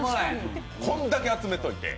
こんだけ集めといて。